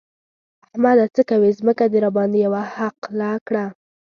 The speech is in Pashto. احمده! څه کوې؛ ځمکه دې راباندې يوه حقله کړه.